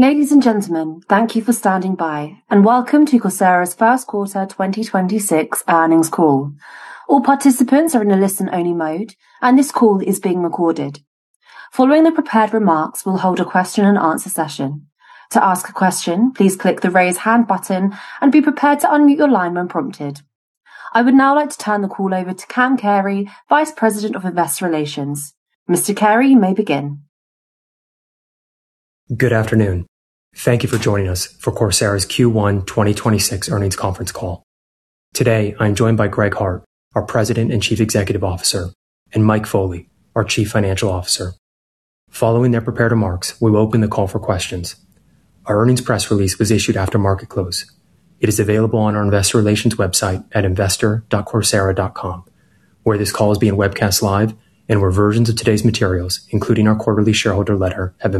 Ladies and gentlemen, thank you for standing by and welcome to Coursera's first quarter 2026 earnings call. All participants are in a listen-only mode, and this call is being recorded. Following the prepared remarks, we'll hold a question and answer session. To ask a question, please click the raise hand button and be prepared to unmute your line when prompted. I would now like to turn the call over to Cam Carey, Vice President of Investor Relations. Mr. Carey, you may begin. Good afternoon. Thank you for joining us for Coursera's Q1 2026 earnings conference call. Today, I'm joined by Greg Hart, our President and Chief Executive Officer, and Mike Foley, our Chief Financial Officer. Following their prepared remarks, we will open the call for questions. Our earnings press release was issued after market close. It is available on our investor relations website at investor.coursera.com, where this call is being webcast live and where versions of today's materials, including our quarterly shareholder letter, have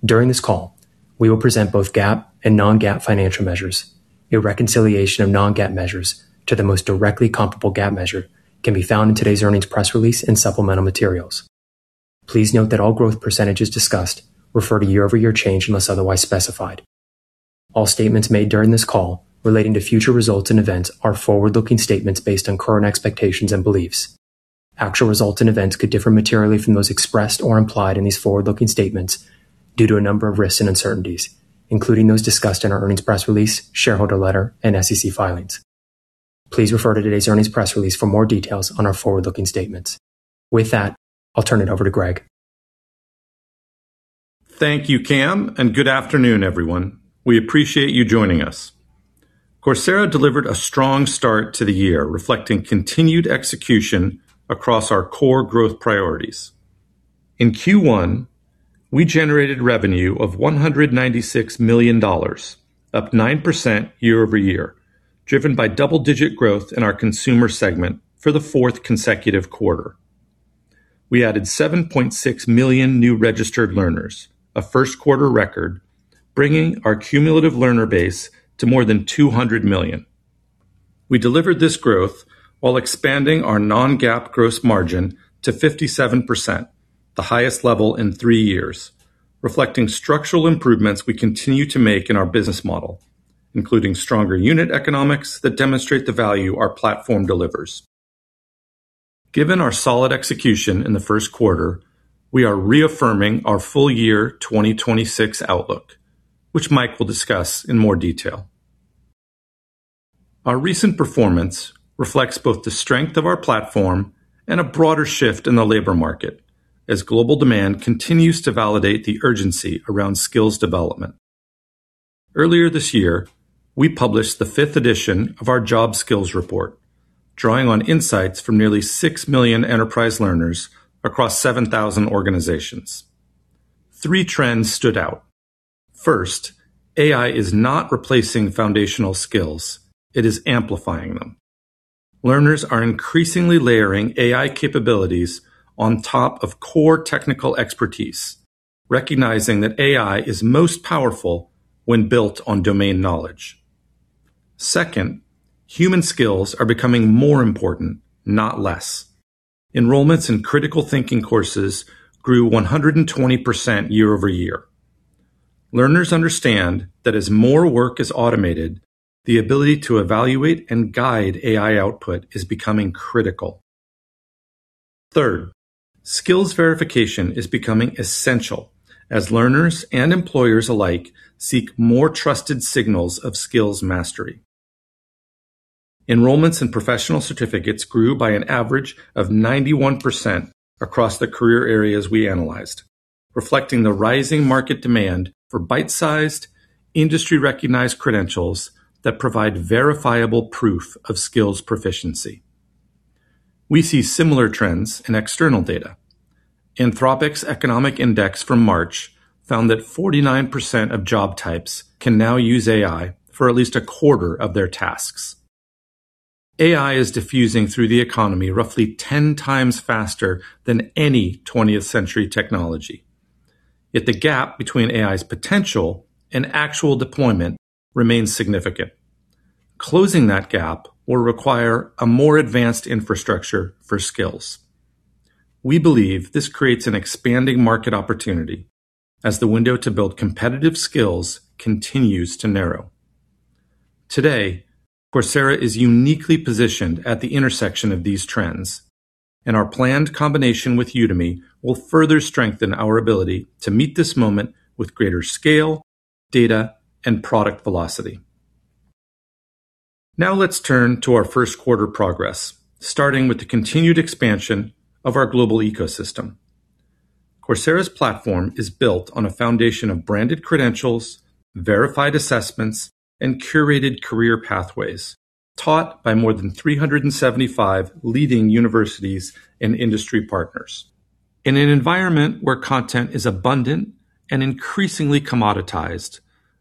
been published. During this call, we will present both GAAP and non-GAAP financial measures. A reconciliation of non-GAAP measures to the most directly comparable GAAP measure can be found in today's earnings press release and supplemental materials. Please note that all growth percentages discussed refer to year-over-year change unless otherwise specified. All statements made during this call relating to future results and events are forward-looking statements based on current expectations and beliefs. Actual results and events could differ materially from those expressed or implied in these forward-looking statements due to a number of risks and uncertainties, including those discussed in our earnings press release, shareholder letter, and SEC filings. Please refer to today's earnings press release for more details on our forward-looking statements. With that, I'll turn it over to Greg. Thank you, Cam, and good afternoon, everyone. We appreciate you joining us. Coursera delivered a strong start to the year, reflecting continued execution across our core growth priorities. In Q1, we generated revenue of $196 million, up 9% year-over-year, driven by double-digit growth in our consumer segment for the fourth consecutive quarter. We added 7.6 million new registered learners, a first quarter record, bringing our cumulative learner base to more than 200 million. We delivered this growth while expanding our non-GAAP gross margin to 57%, the highest level in three years, reflecting structural improvements we continue to make in our business model, including stronger unit economics that demonstrate the value our platform delivers. Given our solid execution in the first quarter, we are reaffirming our full year 2026 outlook, which Mike will discuss in more detail. Our recent performance reflects both the strength of our platform and a broader shift in the labor market as global demand continues to validate the urgency around skills development. Earlier this year, we published the fifth edition of our job skills report, drawing on insights from nearly 6 million enterprise learners across 7,000 organizations. Three trends stood out. First, AI is not replacing foundational skills, it is amplifying them. Learners are increasingly layering AI capabilities on top of core technical expertise, recognizing that AI is most powerful when built on domain knowledge. Second, human skills are becoming more important, not less. Enrollments in critical thinking courses grew 120% year-over-year. Learners understand that as more work is automated, the ability to evaluate and guide AI output is becoming critical. Third, skills verification is becoming essential as learners and employers alike seek more trusted signals of skills mastery. Enrollments and professional certificates grew by an average of 91% across the career areas we analyzed, reflecting the rising market demand for bite-sized, industry-recognized credentials that provide verifiable proof of skills proficiency. We see similar trends in external data. Anthropic's economic index from March found that 49% of job types can now use AI for at least a quarter of their tasks. AI is diffusing through the economy roughly 10 times faster than any 20th century technology. Yet the gap between AI's potential and actual deployment remains significant. Closing that gap will require a more advanced infrastructure for skills. We believe this creates an expanding market opportunity as the window to build competitive skills continues to narrow. Today, Coursera is uniquely positioned at the intersection of these trends, and our planned combination with Udemy will further strengthen our ability to meet this moment with greater scale, data, and product velocity. Now let's turn to our first quarter progress, starting with the continued expansion of our global ecosystem. Coursera's platform is built on a foundation of branded credentials, verified assessments, and curated career pathways taught by more than 375 leading universities and industry partners. In an environment where content is abundant and increasingly commoditized,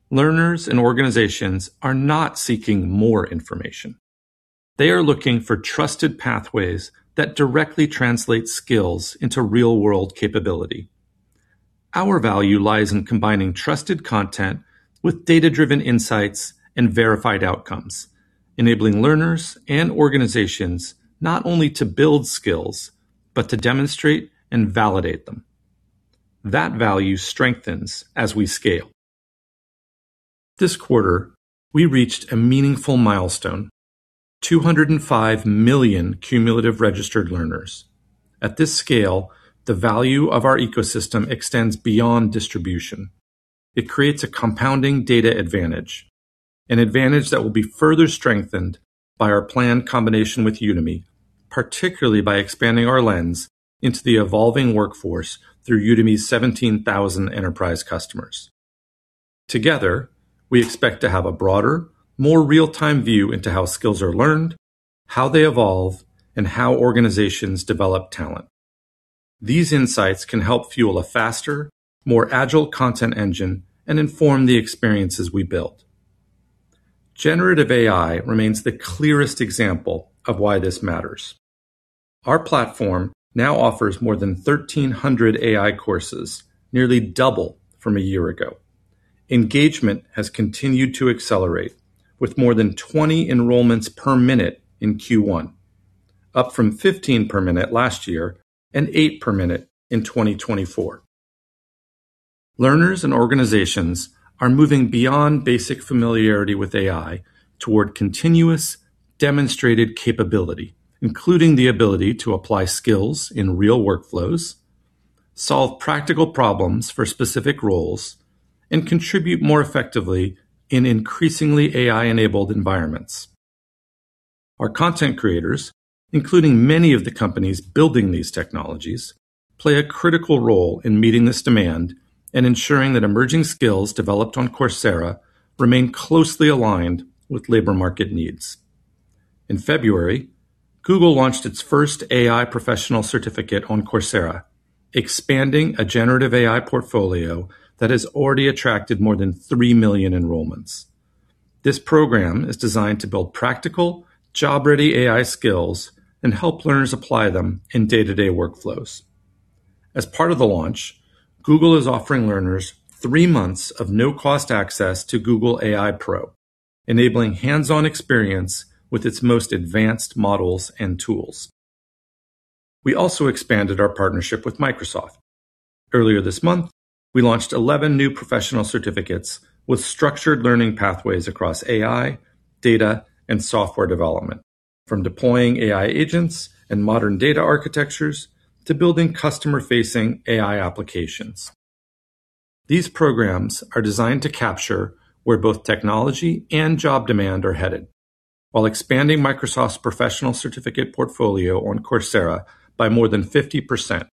learners and organizations are not seeking more information. They are looking for trusted pathways that directly translate skills into real-world capability. Our value lies in combining trusted content with data-driven insights and verified outcomes, enabling learners and organizations not only to build skills, but to demonstrate and validate them. That value strengthens as we scale. This quarter, we reached a meaningful milestone, 205 million cumulative registered learners. At this scale, the value of our ecosystem extends beyond distribution. It creates a compounding data advantage, an advantage that will be further strengthened by our planned combination with Udemy, particularly by expanding our lens into the evolving workforce through Udemy's 17,000 enterprise customers. Together, we expect to have a broader, more real-time view into how skills are learned, how they evolve, and how organizations develop talent. These insights can help fuel a faster, more agile content engine and inform the experiences we build. Generative AI remains the clearest example of why this matters. Our platform now offers more than 1,300 AI courses, nearly double from a year ago. Engagement has continued to accelerate with more than 20 enrollments per minute in Q1, up from 15 per minute last year and eight per minute in 2024. Learners and organizations are moving beyond basic familiarity with AI toward continuous demonstrated capability, including the ability to apply skills in real workflows, solve practical problems for specific roles, and contribute more effectively in increasingly AI-enabled environments. Our content creators, including many of the companies building these technologies, play a critical role in meeting this demand and ensuring that emerging skills developed on Coursera remain closely aligned with labor market needs. In February, Google launched its first AI professional certificate on Coursera, expanding a generative AI portfolio that has already attracted more than 3 million enrollments. This program is designed to build practical job-ready AI skills and help learners apply them in day-to-day workflows. As part of the launch, Google is offering learners three months of no-cost access to Google AI Pro, enabling hands-on experience with its most advanced models and tools. We also expanded our partnership with Microsoft. Earlier this month, we launched 11 new professional certificates with structured learning pathways across AI, data, and software development, from deploying AI agents and modern data architectures to building customer-facing AI applications. These programs are designed to capture where both technology and job demand are headed while expanding Microsoft's professional certificate portfolio on Coursera by more than 50%,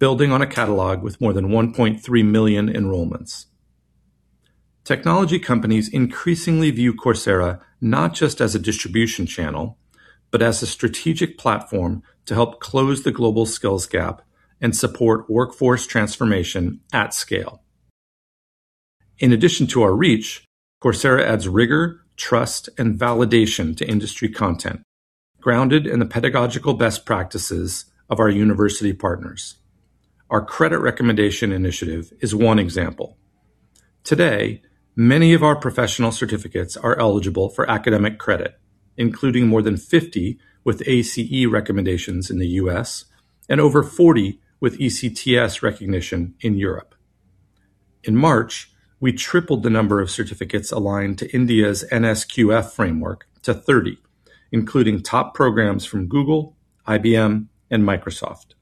building on a catalog with more than 1.3 million enrollments. Technology companies increasingly view Coursera not just as a distribution channel, but as a strategic platform to help close the global skills gap and support workforce transformation at scale. In addition to our reach, Coursera adds rigor, trust, and validation to industry content grounded in the pedagogical best practices of our university partners. Our credit recommendation initiative is one example. Today, many of our professional certificates are eligible for academic credit, including more than 50 with ACE recommendations in the U.S. and over 40 with ECTS recognition in Europe. In March, we tripled the number of certificates aligned to India's NSQF framework to 30, including top programs from Google, IBM and Microsoft.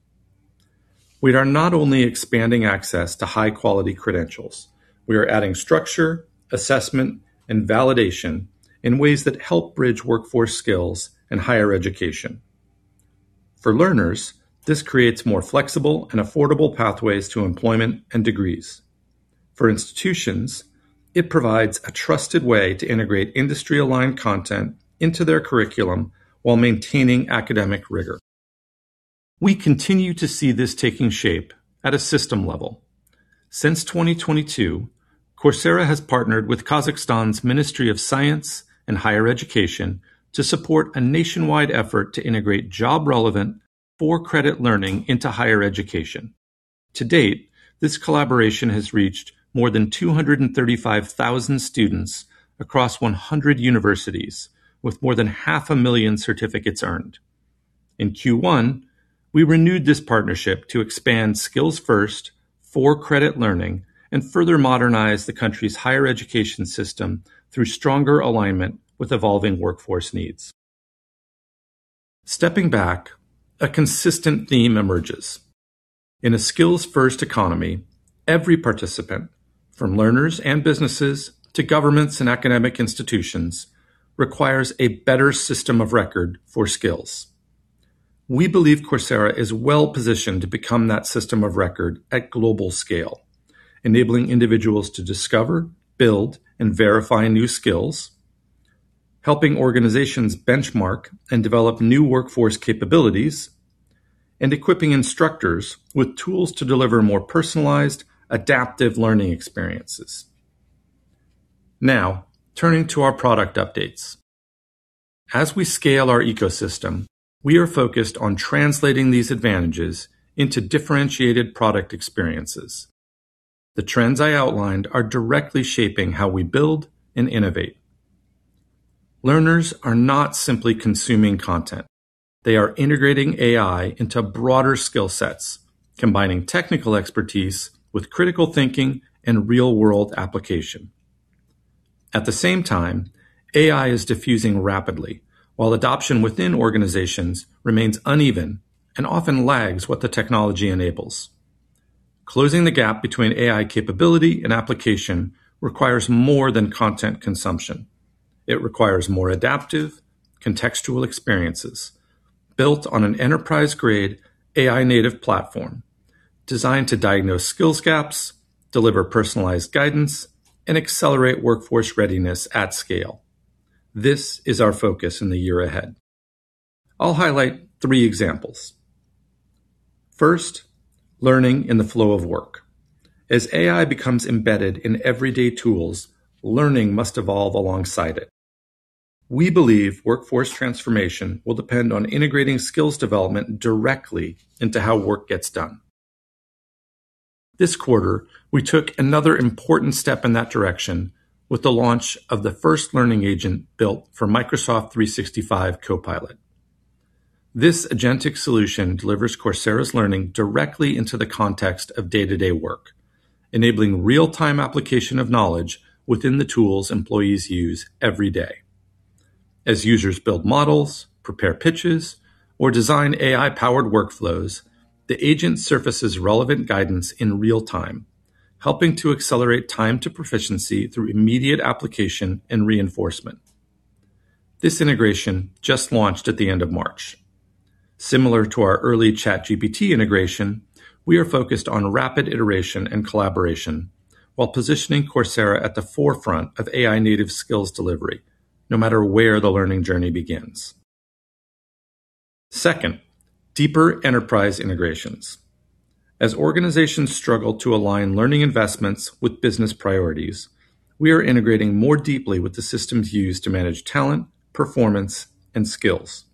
We are not only expanding access to high-quality credentials, we are adding structure, assessment, and validation in ways that help bridge workforce skills and higher education. For learners, this creates more flexible and affordable pathways to employment and degrees. For institutions, it provides a trusted way to integrate industry-aligned content into their curriculum while maintaining academic rigor. We continue to see this taking shape at a system level. Since 2022, Coursera has partnered with Kazakhstan's Ministry of Science and Higher Education to support a nationwide effort to integrate job-relevant for-credit learning into higher education. To date, this collaboration has reached more than 235,000 students across 100 universities with more than 500,000 certificates earned. In Q1, we renewed this partnership to expand skills-first for-credit learning and further modernize the country's higher education system through stronger alignment with evolving workforce needs. Stepping back, a consistent theme emerges. In a skills-first economy, every participant, from learners and businesses to governments and academic institutions, requires a better system of record for skills. We believe Coursera is well-positioned to become that system of record at global scale, enabling individuals to discover, build, and verify new skills, helping organizations benchmark and develop new workforce capabilities, and equipping instructors with tools to deliver more personalized, adaptive learning experiences. Now, turning to our product updates. As we scale our ecosystem, we are focused on translating these advantages into differentiated product experiences. The trends I outlined are directly shaping how we build and innovate. Learners are not simply consuming content. They are integrating AI into broader skill sets, combining technical expertise with critical thinking and real-world application. At the same time, AI is diffusing rapidly while adoption within organizations remains uneven and often lags what the technology enables. Closing the gap between AI capability and application requires more than content consumption. It requires more adaptive contextual experiences built on an enterprise-grade AI native platform designed to diagnose skills gaps, deliver personalized guidance, and accelerate workforce readiness at scale. This is our focus in the year ahead. I'll highlight three examples. First, learning in the flow of work. As AI becomes embedded in everyday tools, learning must evolve alongside it. We believe workforce transformation will depend on integrating skills development directly into how work gets done. This quarter, we took another important step in that direction with the launch of the first learning agent built for Microsoft 365 Copilot. This agentic solution delivers Coursera's learning directly into the context of day-to-day work, enabling real-time application of knowledge within the tools employees use every day. As users build models, prepare pitches, or design AI-powered workflows, the agent surfaces relevant guidance in real time, helping to accelerate time to proficiency through immediate application and reinforcement. This integration just launched at the end of March. Similar to our early ChatGPT integration, we are focused on rapid iteration and collaboration while positioning Coursera at the forefront of AI native skills delivery, no matter where the learning journey begins. Second, deeper enterprise integrations. As organizations struggle to align learning investments with business priorities, we are integrating more deeply with the systems used to manage talent, performance, and skills.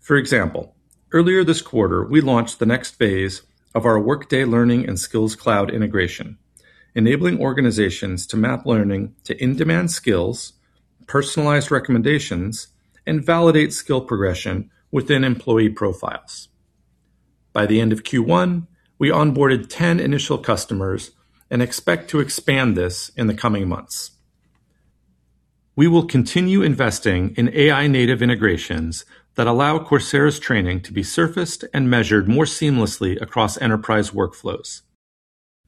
For example, earlier this quarter, we launched the next phase of our Workday learning and skills cloud integration, enabling organizations to map learning to in-demand skills, personalized recommendations, and validate skill progression within employee profiles. By the end of Q1, we onboarded 10 initial customers and expect to expand this in the coming months. We will continue investing in AI native integrations that allow Coursera's training to be surfaced and measured more seamlessly across enterprise workflows.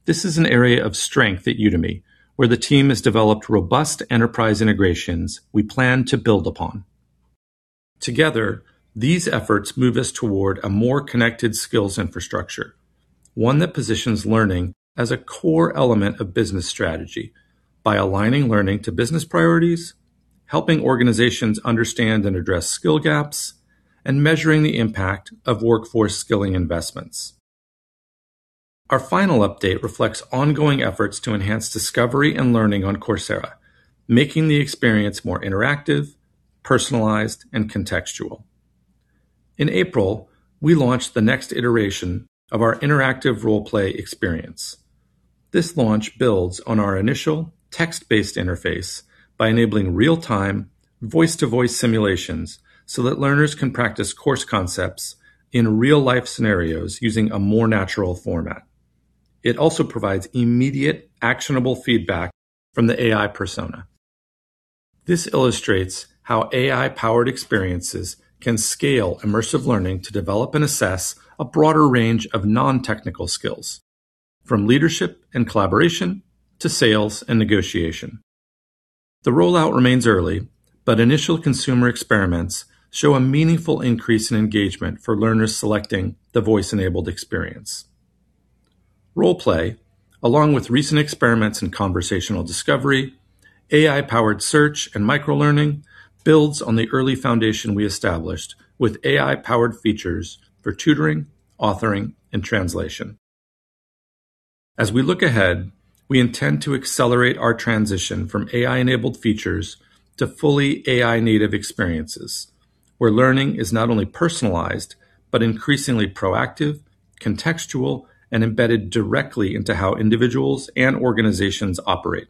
This is an area of strength at Udemy, where the team has developed robust enterprise integrations we plan to build upon. Together, these efforts move us toward a more connected skills infrastructure, one that positions learning as a core element of business strategy by aligning learning to business priorities, helping organizations understand and address skill gaps, and measuring the impact of workforce skilling investments. Our final update reflects ongoing efforts to enhance discovery and learning on Coursera, making the experience more interactive, personalized, and contextual. In April, we launched the next iteration of our interactive role play experience. This launch builds on our initial text-based interface by enabling real-time, voice-to-voice simulations so that learners can practice course concepts in real-life scenarios using a more natural format. It also provides immediate actionable feedback from the AI persona. This illustrates how AI-powered experiences can scale immersive learning to develop and assess a broader range of non-technical skills from leadership and collaboration to sales and negotiation. The rollout remains early, but initial consumer experiments show a meaningful increase in engagement for learners selecting the voice-enabled experience. Role play, along with recent experiments in conversational discovery, AI-powered search, and micro-learning builds on the early foundation we established with AI-powered features for tutoring, authoring, and translation. As we look ahead, we intend to accelerate our transition from AI-enabled features to fully AI native experiences, where learning is not only personalized but increasingly proactive, contextual, and embedded directly into how individuals and organizations operate.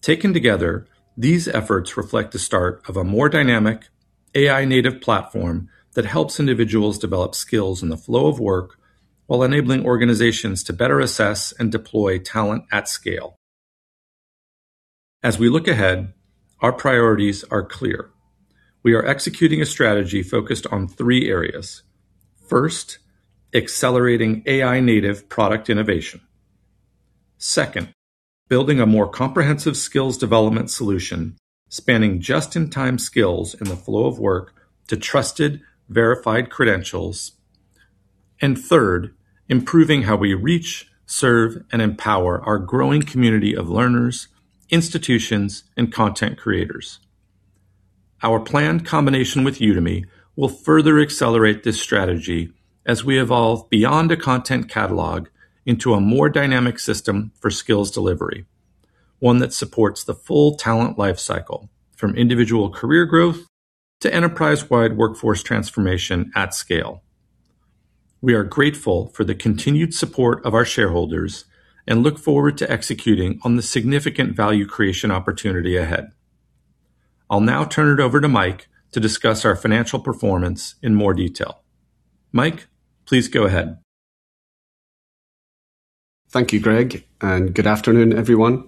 Taken together, these efforts reflect the start of a more dynamic AI native platform that helps individuals develop skills in the flow of work while enabling organizations to better assess and deploy talent at scale. As we look ahead, our priorities are clear. We are executing a strategy focused on three areas. First, accelerating AI native product innovation. Second, building a more comprehensive skills development solution spanning just-in-time skills in the flow of work to trusted verified credentials and third, improving how we reach, serve, and empower our growing community of learners, institutions, and content creators. Our planned combination with Udemy will further accelerate this strategy as we evolve beyond a content catalog into a more dynamic system for skills delivery. One that supports the full talent life cycle, from individual career growth to enterprise-wide workforce transformation at scale. We are grateful for the continued support of our shareholders and look forward to executing on the significant value creation opportunity ahead. I'll now turn it over to Mike to discuss our financial performance in more detail. Mike, please go ahead. Thank you, Greg, and good afternoon, everyone.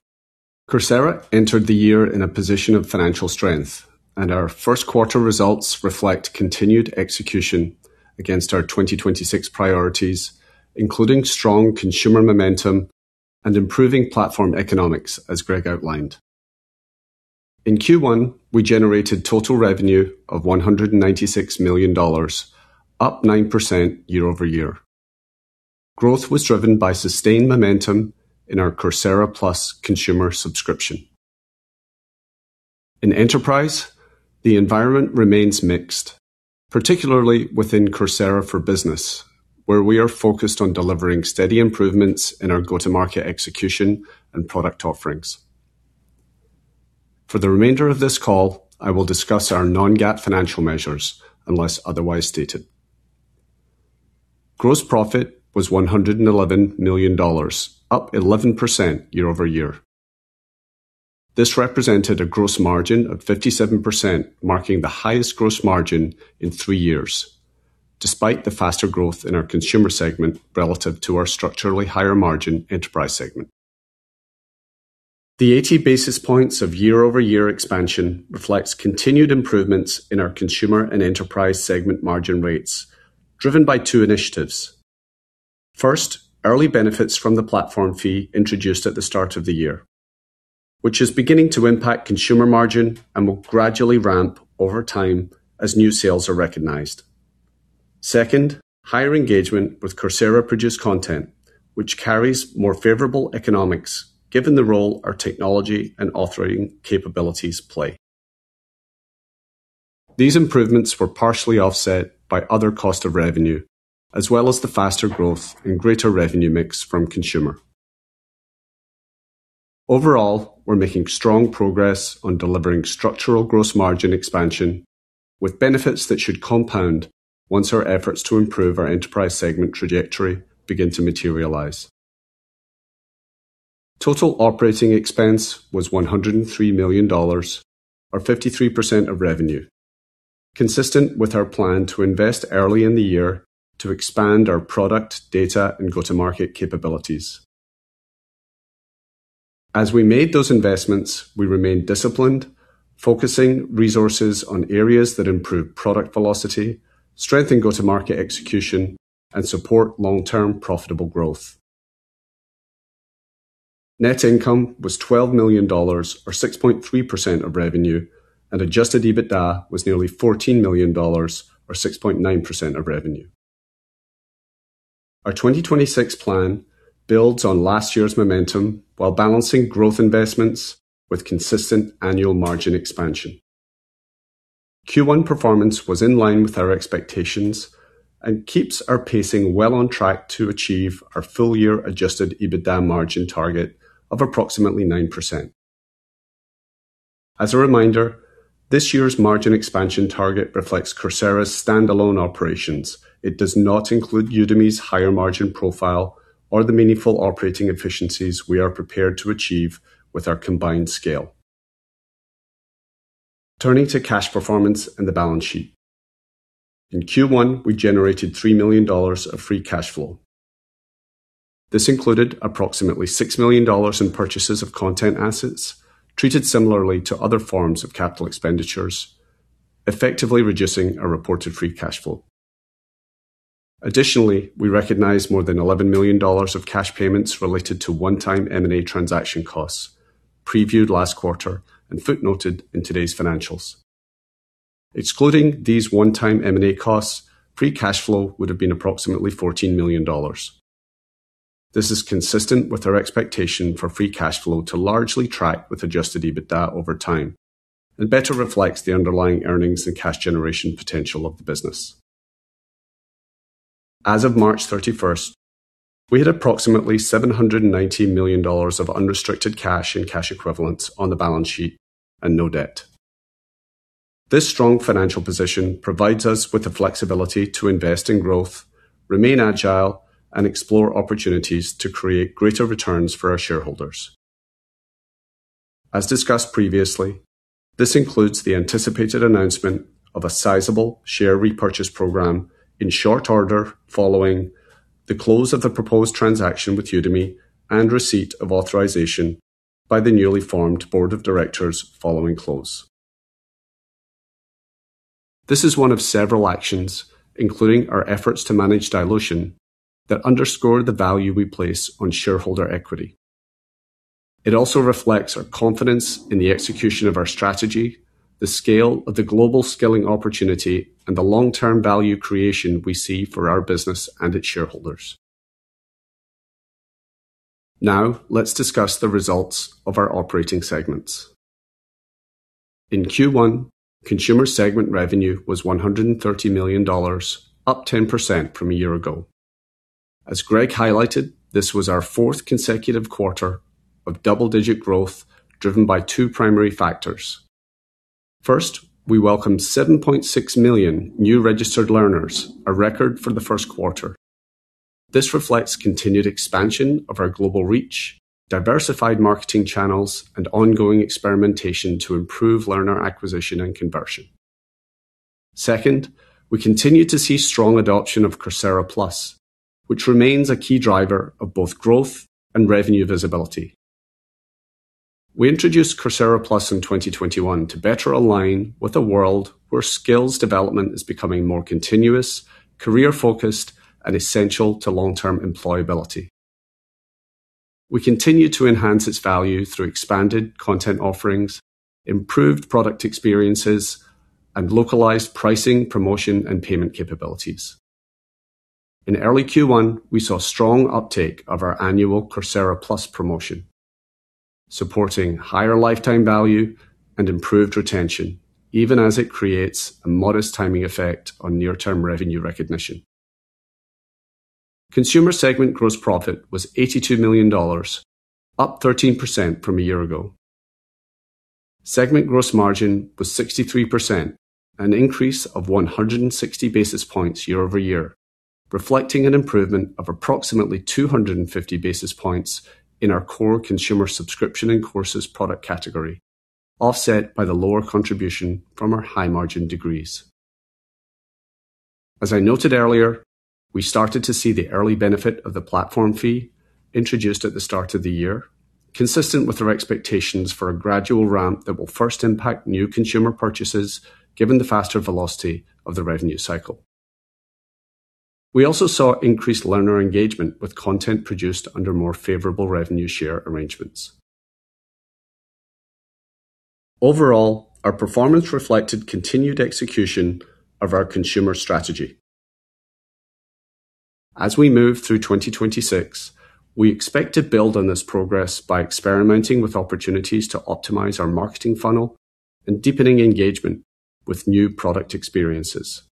Coursera entered the year in a position of financial strength, and our first quarter results reflect continued execution against our 2026 priorities, including strong consumer momentum and improving platform economics, as Greg outlined. In Q1, we generated total revenue of $196 million, up 9% year-over-year. Growth was driven by sustained momentum in our Coursera Plus consumer subscription. In enterprise, the environment remains mixed, particularly within Coursera for Business, where we are focused on delivering steady improvements in our go-to-market execution and product offerings. For the remainder of this call, I will discuss our non-GAAP financial measures unless otherwise stated. Gross profit was $111 million, up 11% year-over-year. This represented a gross margin of 57%, marking the highest gross margin in three years, despite the faster growth in our consumer segment relative to our structurally higher margin enterprise segment. The 80 basis points of year-over-year expansion reflects continued improvements in our Consumer and Enterprise segment margin rates, driven by two initiatives. First, early benefits from the platform fee introduced at the start of the year, which is beginning to impact Consumer margin and will gradually ramp over time as new sales are recognized. Second, higher engagement with Coursera-produced content, which carries more favorable economics given the role our technology and authoring capabilities play. These improvements were partially offset by other cost of revenue, as well as the faster growth and greater revenue mix from Consumer. Overall, we're making strong progress on delivering structural gross margin expansion with benefits that should compound once our efforts to improve our Enterprise segment trajectory begin to materialize. Total operating expense was $103 million, or 53% of revenue, consistent with our plan to invest early in the year to expand our product data and go-to-market capabilities. As we made those investments, we remained disciplined, focusing resources on areas that improve product velocity, strengthen go-to-market execution, and support long-term profitable growth. Net income was $12 million, or 6.3% of revenue, and adjusted EBITDA was nearly $14 million, or 6.9% of revenue. Our 2026 plan builds on last year's momentum while balancing growth investments with consistent annual margin expansion. Q1 performance was in line with our expectations and keeps our pacing well on track to achieve our full year adjusted EBITDA margin target of approximately 9%. As a reminder, this year's margin expansion target reflects Coursera's standalone operations. It does not include Udemy's higher margin profile or the meaningful operating efficiencies we are prepared to achieve with our combined scale. Turning to cash performance and the balance sheet. In Q1, we generated $3 million of free cash flow. This included approximately $6 million in purchases of content assets treated similarly to other forms of capital expenditures, effectively reducing our reported free cash flow. Additionally, we recognized more than $11 million of cash payments related to one-time M&A transaction costs previewed last quarter and footnoted in today's financials. Excluding these one-time M&A costs, free cash flow would have been approximately $14 million. This is consistent with our expectation for free cash flow to largely track with adjusted EBITDA over time and better reflects the underlying earnings and cash generation potential of the business. As of March 31st, we had approximately $790 million of unrestricted cash and cash equivalents on the balance sheet and no debt. This strong financial position provides us with the flexibility to invest in growth, remain agile, and explore opportunities to create greater returns for our shareholders. As discussed previously, this includes the anticipated announcement of a sizable share repurchase program in short order following the close of the proposed transaction with Udemy and receipt of authorization by the newly formed board of directors following close. This is one of several actions, including our efforts to manage dilution, that underscore the value we place on shareholder equity. It also reflects our confidence in the execution of our strategy, the scale of the global skilling opportunity, and the long-term value creation we see for our business and its shareholders. Now, let's discuss the results of our operating segments. In Q1, Consumer segment revenue was $130 million, up 10% from a year ago. As Greg highlighted, this was our fourth consecutive quarter of double-digit growth driven by two primary factors. First, we welcomed 7.6 million new registered learners, a record for the first quarter. This reflects continued expansion of our global reach, diversified marketing channels, and ongoing experimentation to improve learner acquisition and conversion. Second, we continue to see strong adoption of Coursera Plus, which remains a key driver of both growth and revenue visibility. We introduced Coursera Plus in 2021 to better align with a world where skills development is becoming more continuous, career-focused, and essential to long-term employability. We continue to enhance its value through expanded content offerings, improved product experiences, and localized pricing, promotion, and payment capabilities. In early Q1, we saw strong uptake of our annual Coursera Plus promotion, supporting higher lifetime value and improved retention, even as it creates a modest timing effect on near-term revenue recognition. Consumer segment gross profit was $82 million, up 13% from a year ago. Segment gross margin was 63%, an increase of 160 basis points year-over-year, reflecting an improvement of approximately 250 basis points in our core consumer subscription and courses product category, offset by the lower contribution from our high-margin degrees. As I noted earlier, we started to see the early benefit of the platform fee introduced at the start of the year, consistent with our expectations for a gradual ramp that will first impact new consumer purchases, given the faster velocity of the revenue cycle. We also saw increased learner engagement with content produced under more favorable revenue share arrangements. Overall, our performance reflected continued execution of our consumer strategy. As we move through 2026, we expect to build on this progress by experimenting with opportunities to optimize our marketing funnel and deepening engagement with new product experiences.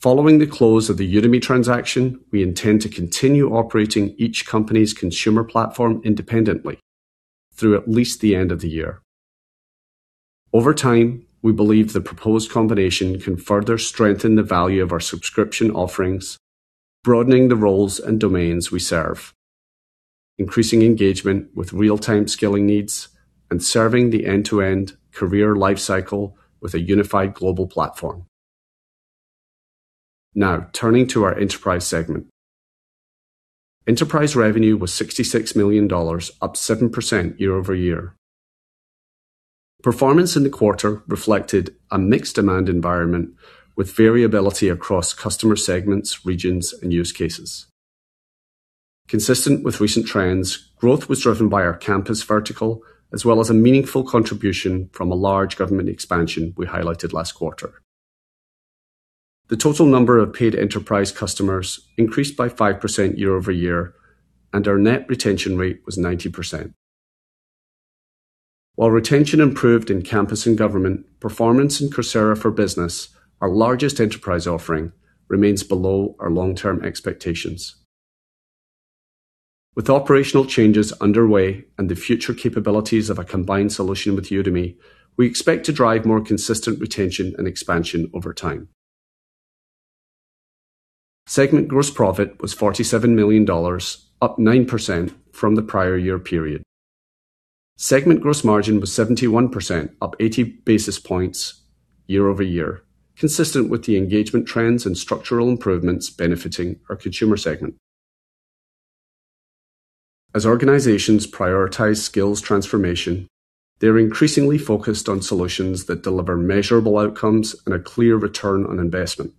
Following the close of the Udemy transaction, we intend to continue operating each company's consumer platform independently through at least the end of the year. Over time, we believe the proposed combination can further strengthen the value of our subscription offerings, broadening the roles and domains we serve, increasing engagement with real-time skilling needs, and serving the end-to-end career life cycle with a unified global platform. Now, turning to our Enterprise segment. Enterprise revenue was $66 million, up 7% year-over-year. Performance in the quarter reflected a mixed demand environment with variability across customer segments, regions, and use cases. Consistent with recent trends, growth was driven by our campus vertical as well as a meaningful contribution from a large government expansion we highlighted last quarter. The total number of paid enterprise customers increased by 5% year-over-year, and our net retention rate was 90%. While retention improved in campus and government, performance in Coursera for Business, our largest enterprise offering, remains below our long-term expectations. With operational changes underway and the future capabilities of a combined solution with Udemy, we expect to drive more consistent retention and expansion over time. Segment gross profit was $47 million, up 9% from the prior year period. Segment gross margin was 71%, up 80 basis points year-over-year, consistent with the engagement trends and structural improvements benefiting our consumer segment. As organizations prioritize skills transformation, they're increasingly focused on solutions that deliver measurable outcomes and a clear return on investment.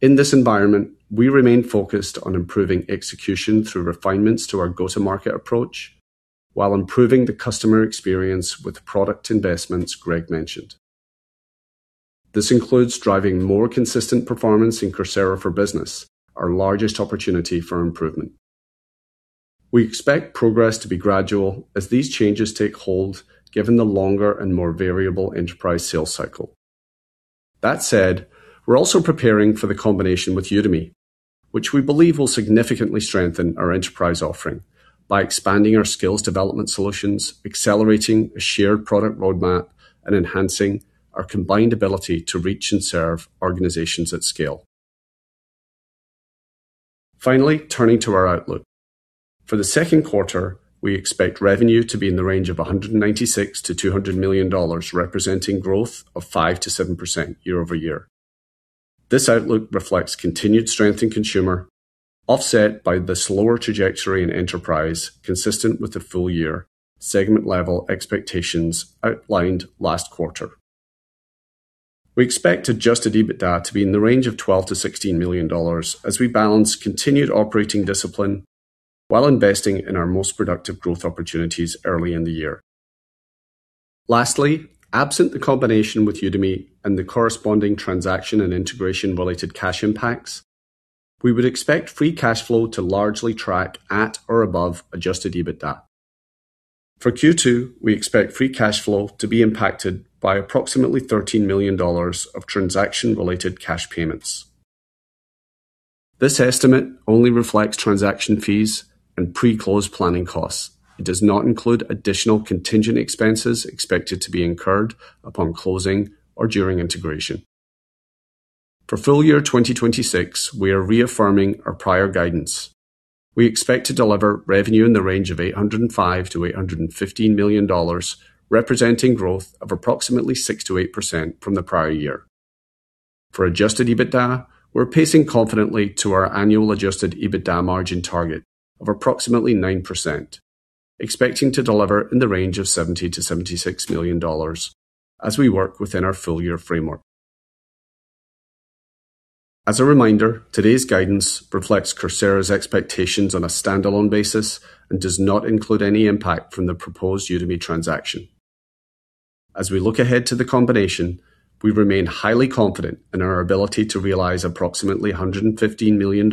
In this environment, we remain focused on improving execution through refinements to our go-to-market approach while improving the customer experience with the product investments Greg mentioned. This includes driving more consistent performance in Coursera for Business, our largest opportunity for improvement. We expect progress to be gradual as these changes take hold given the longer and more variable enterprise sales cycle. That said, we're also preparing for the combination with Udemy, which we believe will significantly strengthen our enterprise offering by expanding our skills development solutions, accelerating a shared product roadmap, and enhancing our combined ability to reach and serve organizations at scale. Finally, turning to our outlook. For the second quarter, we expect revenue to be in the range of $196 million-$200 million, representing growth of 5%-7% year-over-year. This outlook reflects continued strength in consumer offset by the slower trajectory in enterprise consistent with the full year segment-level expectations outlined last quarter. We expect adjusted EBITDA to be in the range of $12 million-$16 million as we balance continued operating discipline while investing in our most productive growth opportunities early in the year. Lastly, absent the combination with Udemy and the corresponding transaction and integration-related cash impacts. We would expect free cash flow to largely track at or above adjusted EBITDA. For Q2, we expect free cash flow to be impacted by approximately $13 million of transaction-related cash payments. This estimate only reflects transaction fees and pre-close planning costs. It does not include additional contingent expenses expected to be incurred upon closing or during integration. For full year 2026, we are reaffirming our prior guidance. We expect to deliver revenue in the range of $805 million-$815 million, representing growth of approximately 6%-8% from the prior year. For adjusted EBITDA, we're pacing confidently to our annual adjusted EBITDA margin target of approximately 9%, expecting to deliver in the range of $70 million-$76 million as we work within our full year framework. As a reminder, today's guidance reflects Coursera's expectations on a standalone basis and does not include any impact from the proposed Udemy transaction. As we look ahead to the combination, we remain highly confident in our ability to realize approximately $115 million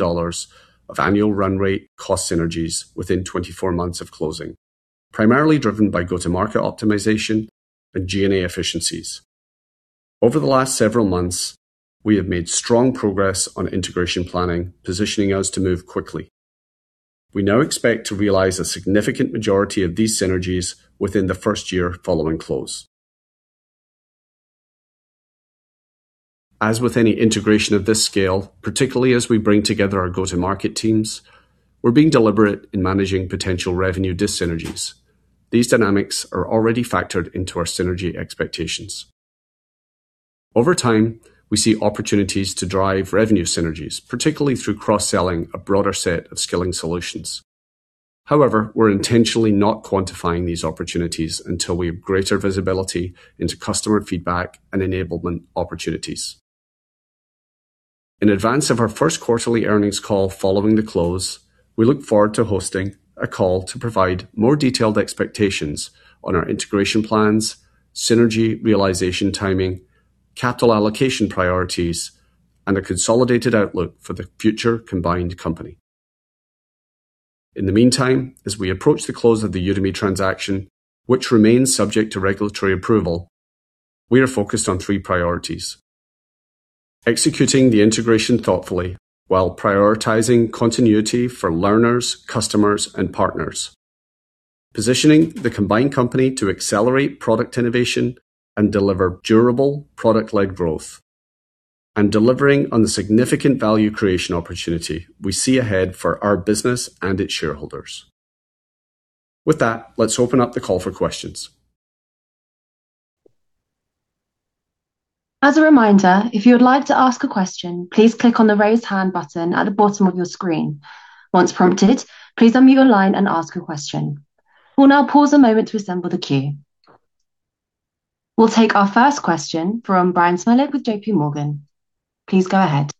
of annual run rate cost synergies within 24 months of closing, primarily driven by go-to-market optimization and G&A efficiencies. Over the last several months, we have made strong progress on integration planning, positioning us to move quickly. We now expect to realize a significant majority of these synergies within the first year following close. As with any integration of this scale, particularly as we bring together our go-to-market teams, we're being deliberate in managing potential revenue dis-synergies. These dynamics are already factored into our synergy expectations. Over time, we see opportunities to drive revenue synergies, particularly through cross-selling a broader set of skilling solutions. However, we're intentionally not quantifying these opportunities until we have greater visibility into customer feedback and enablement opportunities. In advance of our first quarterly earnings call following the close, we look forward to hosting a call to provide more detailed expectations on our integration plans, synergy realization timing, capital allocation priorities, and a consolidated outlook for the future combined company. In the meantime, as we approach the close of the Udemy transaction, which remains subject to regulatory approval, we are focused on three priorities. Executing the integration thoughtfully while prioritizing continuity for learners, customers, and partners. Positioning the combined company to accelerate product innovation and deliver durable product-led growth. Delivering on the significant value creation opportunity we see ahead for our business and its shareholders. With that, let's open up the call for questions. As a reminder, if you would like to ask a question, please click on the raise hand button at the bottom of your screen. Once prompted, please unmute your line and ask a question. We'll now pause a moment to assemble the queue. We'll take our first question from Brian Smilek with JPMorgan. Please go ahead.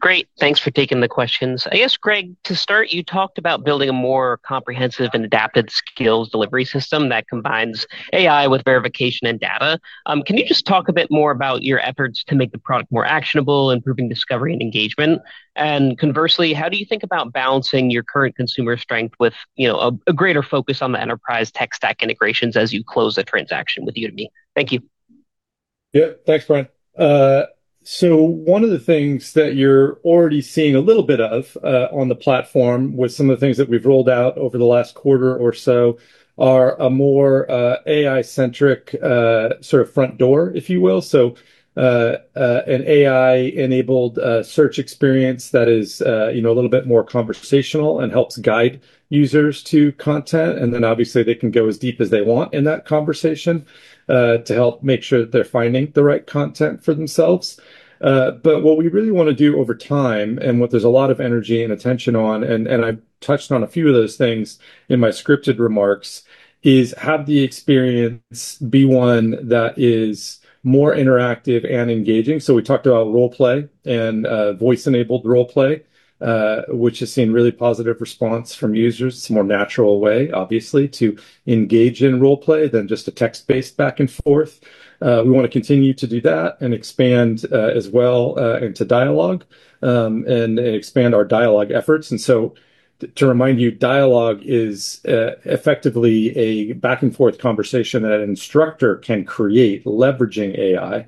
Great. Thanks for taking the questions. I guess, Greg, to start, you talked about building a more comprehensive and adapted skills delivery system that combines AI with verification and data. Can you just talk a bit more about your efforts to make the product more actionable, improving discovery and engagement? Conversely, how do you think about balancing your current consumer strength with a greater focus on the enterprise tech stack integrations as you close the transaction with Udemy? Thank you. Yeah. Thanks, Brian. One of the things that you're already seeing a little bit of on the platform with some of the things that we've rolled out over the last quarter or so are a more AI-centric sort of front door, if you will. An AI-enabled search experience that is a little bit more conversational and helps guide users to content, and then obviously they can go as deep as they want in that conversation to help make sure that they're finding the right content for themselves. What we really want to do over time, and what there's a lot of energy and attention on, and I touched on a few of those things in my scripted remarks, is have the experience be one that is more interactive and engaging. We talked about role play and voice-enabled role play, which has seen really positive response from users. It's a more natural way, obviously, to engage in role play than just a text-based back and forth. We want to continue to do that and expand as well into dialogue, and expand our dialogue efforts. To remind you, dialogue is effectively a back and forth conversation that an instructor can create leveraging AI,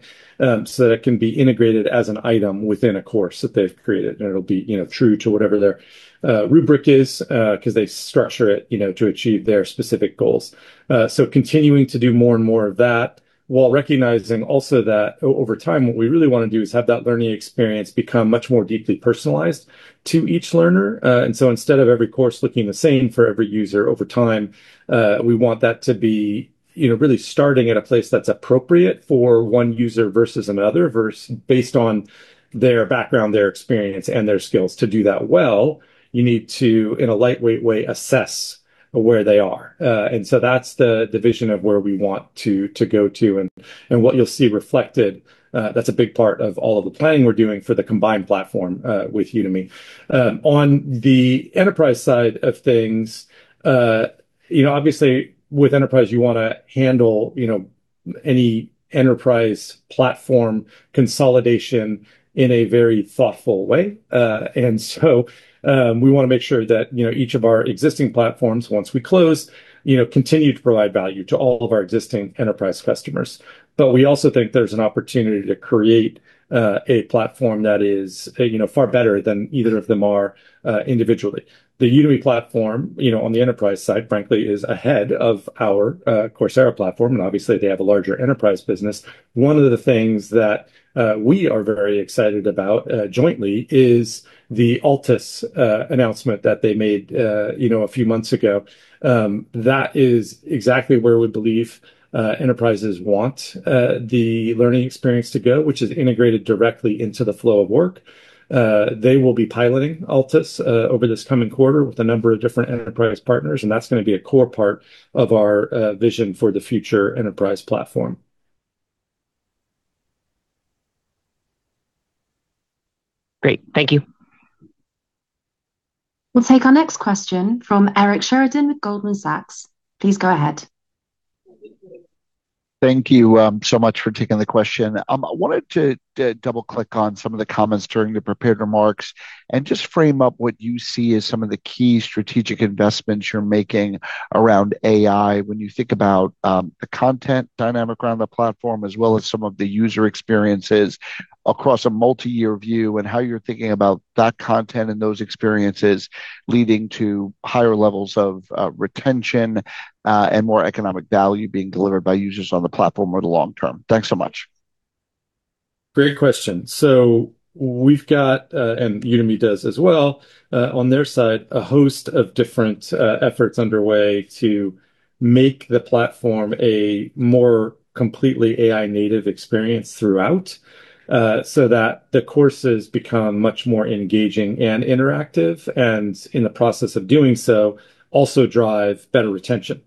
so that it can be integrated as an item within a course that they've created. It'll be true to whatever their rubric is, because they structure it to achieve their specific goals. Continuing to do more and more of that while recognizing also that over time, what we really want to do is have that learning experience become much more deeply personalized to each learner. Instead of every course looking the same for every user over time, we want that to be really starting at a place that's appropriate for one user versus another based on their background, their experience, and their skills. To do that well, you need to, in a lightweight way, assess where they are. That's the vision of where we want to go to and what you'll see reflected. That's a big part of all of the planning we're doing for the combined platform with Udemy. On the enterprise side of things, obviously with enterprise, you want to handle Any enterprise platform consolidation in a very thoughtful way. We want to make sure that each of our existing platforms, once we close, continue to provide value to all of our existing enterprise customers. We also think there's an opportunity to create a platform that is far better than either of them are individually. The Udemy platform on the enterprise side, frankly, is ahead of our Coursera platform, and obviously they have a larger enterprise business. One of the things that we are very excited about jointly is the Altus announcement that they made a few months ago. That is exactly where we believe enterprises want the learning experience to go, which is integrated directly into the flow of work. They will be piloting Altus over this coming quarter with a number of different enterprise partners, and that's going to be a core part of our vision for the future enterprise platform. Great. Thank you. We'll take our next question from Eric Sheridan with Goldman Sachs. Please go ahead. Thank you so much for taking the question. I wanted to double-click on some of the comments during the prepared remarks and just frame up what you see as some of the key strategic investments you're making around AI when you think about the content dynamic around the platform, as well as some of the user experiences across a multi-year view, and how you're thinking about that content and those experiences leading to higher levels of retention, and more economic value being delivered by users on the platform over the long term. Thanks so much. Great question. We've got, and Udemy does as well on their side, a host of different efforts underway to make the platform a more completely AI-native experience throughout, so that the courses become much more engaging and interactive. In the process of doing so, also drive better retention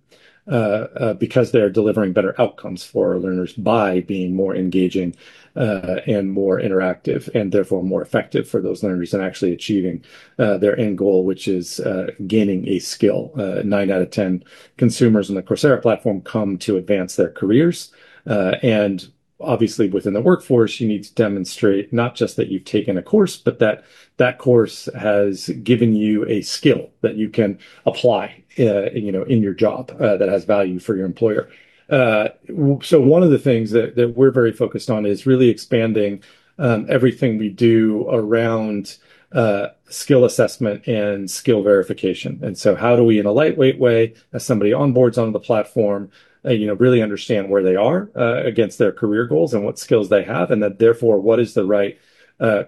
because they are delivering better outcomes for our learners by being more engaging and more interactive, and therefore more effective for those learners in actually achieving their end goal, which is gaining a skill. Nine out of 10 consumers on the Coursera platform come to advance their careers. Obviously within the workforce, you need to demonstrate not just that you've taken a course, but that that course has given you a skill that you can apply in your job that has value for your employer. One of the things that we're very focused on is really expanding everything we do around skill assessment and skill verification. How do we, in a lightweight way, as somebody onboards onto the platform, really understand where they are against their career goals and what skills they have, and that therefore, what is the right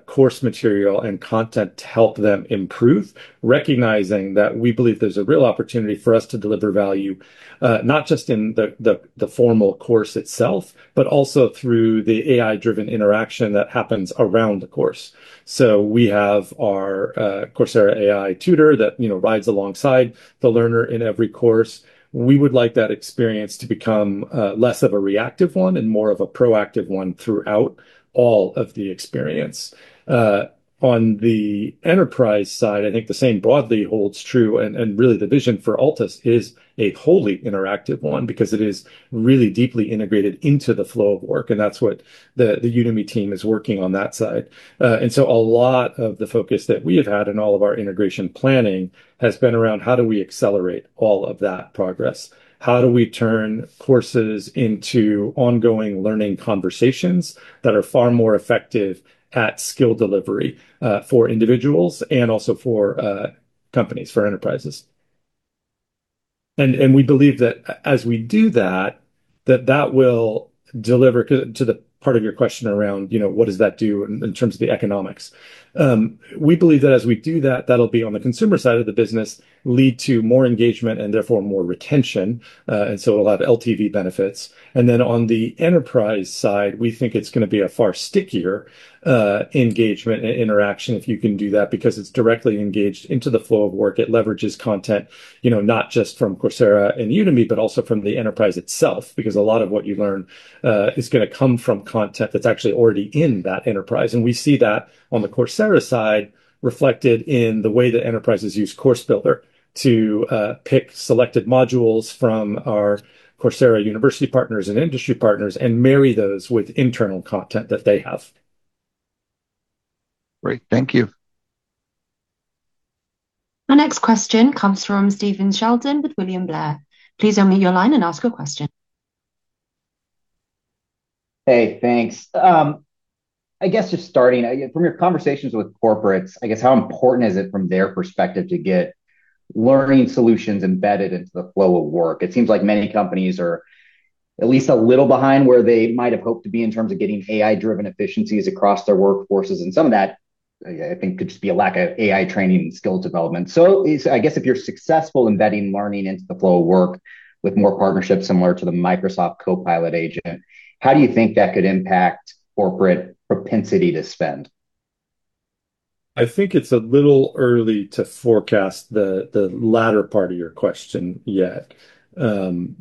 course material and content to help them improve? Recognizing that we believe there's a real opportunity for us to deliver value, not just in the formal course itself, but also through the AI-driven interaction that happens around the course. We have our Coursera AI tutor that rides alongside the learner in every course. We would like that experience to become less of a reactive one and more of a proactive one throughout all of the experience. On the enterprise side, I think the same broadly holds true, and really the vision for Altus is a wholly interactive one because it is really deeply integrated into the flow of work, and that's what the Udemy team is working on that side. A lot of the focus that we have had in all of our integration planning has been around how do we accelerate all of that progress? How do we turn courses into ongoing learning conversations that are far more effective at skill delivery for individuals and also for companies, for enterprises? We believe that as we do that will deliver to the part of your question around what does that do in terms of the economics. We believe that as we do that'll be on the consumer side of the business, lead to more engagement and therefore more retention, and so we'll have LTV benefits. Then on the enterprise side, we think it's going to be a far stickier engagement and interaction, if you can do that, because it's directly engaged into the flow of work. It leverages content not just from Coursera and Udemy, but also from the enterprise itself, because a lot of what you learn is going to come from content that's actually already in that enterprise. We see that on the Coursera side reflected in the way that enterprises use Course Builder to pick selected modules from our Coursera university partners and industry partners and marry those with internal content that they have. Great. Thank you. Our next question comes from Stephen Sheldon with William Blair. Please unmute your line and ask a question. Hey, thanks. I guess just starting, from your conversations with corporates, I guess how important is it from their perspective to get learning solutions embedded into the flow of work? It seems like many companies are at least a little behind where they might have hoped to be in terms of getting AI-driven efficiencies across their workforces, and some of that I think could just be a lack of AI training and skill development. I guess if you're successful embedding learning into the flow of work with more partnerships similar to the Microsoft Copilot agent, how do you think that could impact corporate propensity to spend? I think it's a little early to forecast the latter part of your question yet. Frankly,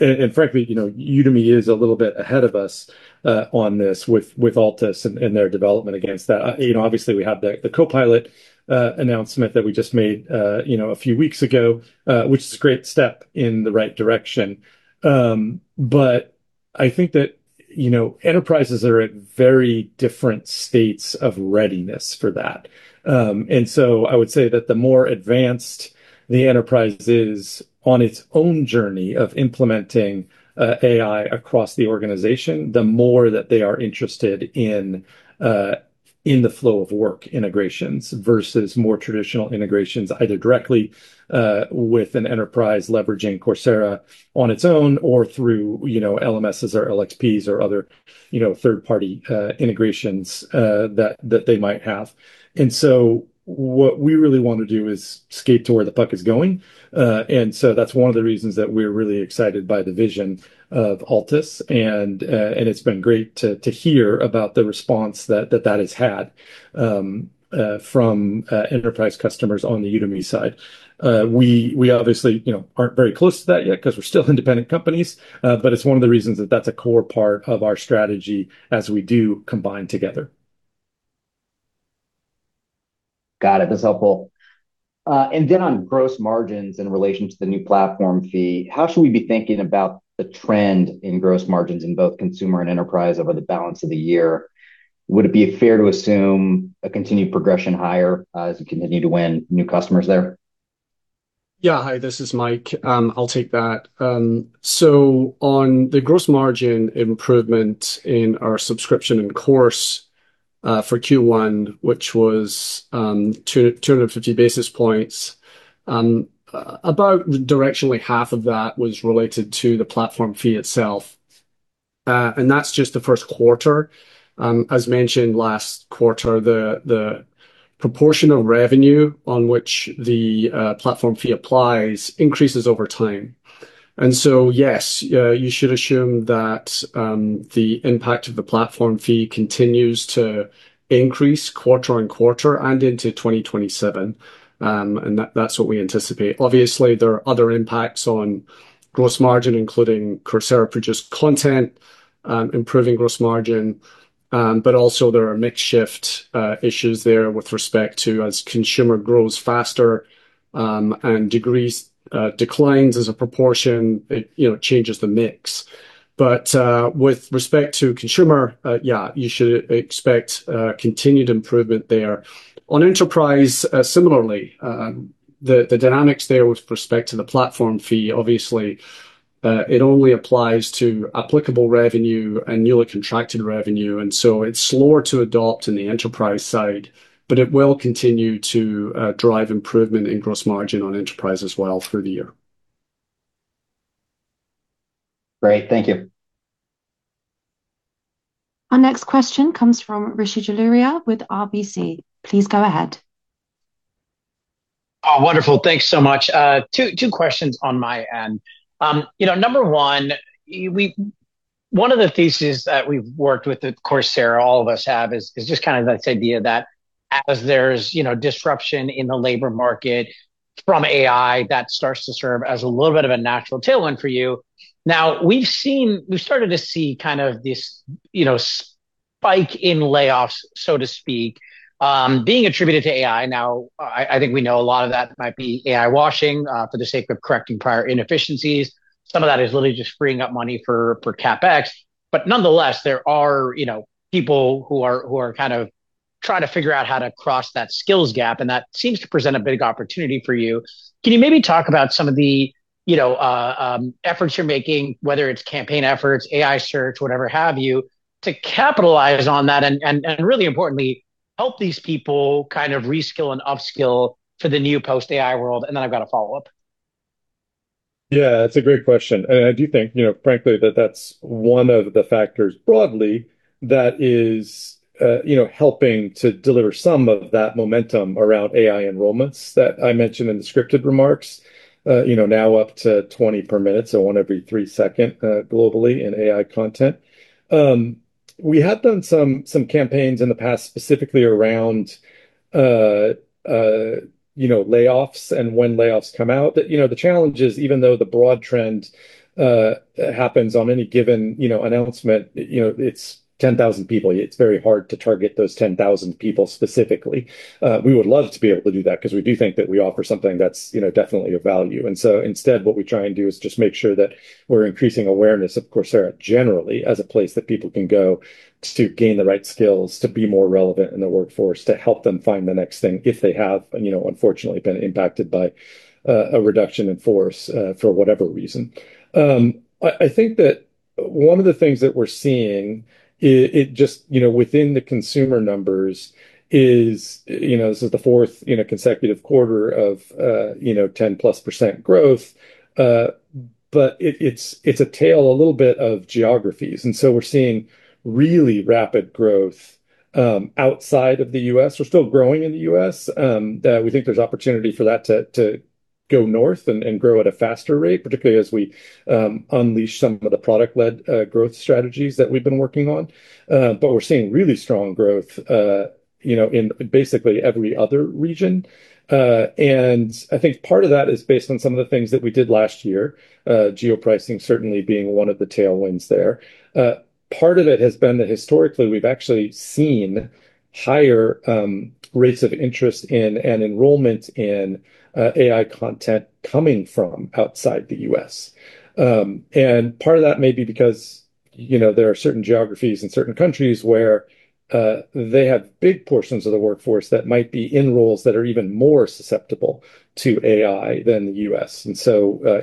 Udemy is a little bit ahead of us on this with Altus and their development against that. Obviously, we have the Copilot announcement that we just made a few weeks ago, which is a great step in the right direction. I think that enterprises are at very different states of readiness for that. I would say that the more advanced the enterprise is on its own journey of implementing AI across the organization, the more that they are interested in the flow of work integrations versus more traditional integrations, either directly with an enterprise leveraging Coursera on its own or through LMSs or LXPs or other third-party integrations that they might have. What we really want to do is skate to where the puck is going. That's one of the reasons that we're really excited by the vision of Altus. It's been great to hear about the response that that has had from enterprise customers on the Udemy side. We obviously aren't very close to that yet because we're still independent companies, but it's one of the reasons that that's a core part of our strategy as we do combine together. Got it. That's helpful. On gross margins in relation to the new platform fee, how should we be thinking about the trend in gross margins in both consumer and enterprise over the balance of the year? Would it be fair to assume a continued progression higher as you continue to win new customers there? Yeah. Hi, this is Mike. I'll take that. On the gross margin improvement in our subscription and course for Q1, which was 250 basis points, about directionally half of that was related to the platform fee itself. That's just the first quarter. As mentioned last quarter, the proportion of revenue on which the platform fee applies increases over time. Yes, you should assume that the impact of the platform fee continues to increase quarter-over-quarter and into 2027. That's what we anticipate. Obviously, there are other impacts on gross margin, including Coursera-produced content improving gross margin, but also there are mix shift issues there with respect to, as consumer grows faster and degrees declines as a proportion, it changes the mix. With respect to consumer, yeah, you should expect continued improvement there. On enterprise, similarly, the dynamics there with respect to the platform fee, obviously, it only applies to applicable revenue and newly contracted revenue, and so it's slower to adopt in the enterprise side, but it will continue to drive improvement in gross margin on enterprise as well through the year. Great. Thank you. Our next question comes from Rishi Jaluria with RBC. Please go ahead. Oh, wonderful. Thanks so much. Two questions on my end. Number one of the theses that we've worked with at Coursera, all of us have, is just kind of this idea that as there's disruption in the labor market from AI, that starts to serve as a little bit of a natural tailwind for you. Now, we've started to see kind of this spike in layoffs, so to speak, being attributed to AI. Now, I think we know a lot of that might be AI washing for the sake of correcting prior inefficiencies. Some of that is literally just freeing up money for CapEx. But nonetheless, there are people who are kind of trying to figure out how to cross that skills gap, and that seems to present a big opportunity for you. Can you maybe talk about some of the efforts you're making, whether it's campaign efforts, AI search, whatever have you, to capitalize on that and really importantly, help these people reskill and upskill for the new post-AI world? I've got a follow-up. Yeah, that's a great question. I do think, frankly, that that's one of the factors broadly that is helping to deliver some of that momentum around AI enrollments that I mentioned in the scripted remarks, now up to 20 per minute, so one every three seconds globally in AI content. We have done some campaigns in the past, specifically around layoffs and when layoffs come out. The challenge is even though the broad trend happens on any given announcement, it's 10,000 people. It's very hard to target those 10,000 people specifically. We would love to be able to do that because we do think that we offer something that's definitely of value. Instead, what we try and do is just make sure that we're increasing awareness of Coursera generally as a place that people can go to gain the right skills to be more relevant in the workforce, to help them find the next thing if they have unfortunately been impacted by a reduction in force for whatever reason. I think that one of the things that we're seeing within the consumer numbers is this is the fourth consecutive quarter of 10%+ growth. It's a tale of geographies. We're seeing really rapid growth outside of the U.S. We're still growing in the U.S. We think there's opportunity for that to go north and grow at a faster rate, particularly as we unleash some of the product-led growth strategies that we've been working on. We're seeing really strong growth in basically every other region. I think part of that is based on some of the things that we did last year, geo-pricing certainly being one of the tailwinds there. Part of it has been that historically, we've actually seen higher rates of interest and enrollment in AI content coming from outside the U.S. Part of that may be because there are certain geographies and certain countries where they have big portions of the workforce that might be in roles that are even more susceptible to AI than the U.S.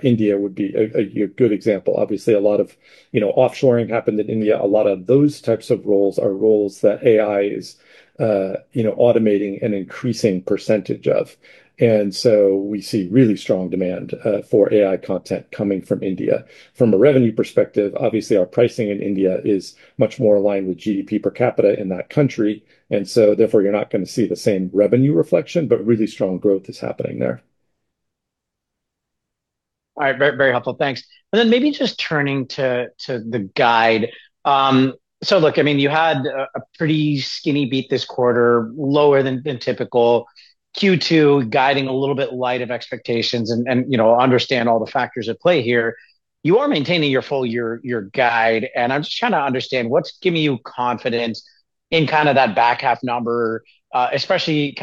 India would be a good example. Obviously, a lot of offshoring happened in India. A lot of those types of roles are roles that AI is automating an increasing percentage of. We see really strong demand for AI content coming from India. From a revenue perspective, obviously our pricing in India is much more aligned with GDP per capita in that country, and so therefore you're not going to see the same revenue reflection, but really strong growth is happening there. All right. Very helpful. Thanks. Maybe just turning to the guide. Look, you had a pretty skinny beat this quarter, lower than typical. Q2 guiding a little bit light relative to expectations, and I understand all the factors at play here. You are maintaining your full year guide, and I'm just trying to understand what's giving you confidence in that back half number, especially